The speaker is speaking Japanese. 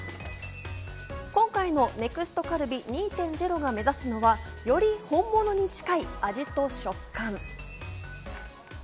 今回のＮＥＸＴカルビ２．０が目指すのは、より本物に近い味と食感。